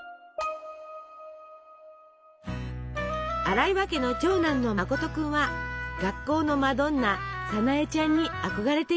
荒岩家の長男のまこと君は学校のマドンナさなえちゃんに憧れています。